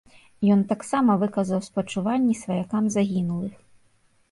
Ён таксама выказаў спачуванні сваякам загінулых.